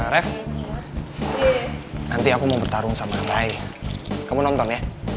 rev nanti aku mau bertarung sama ray kamu nonton ya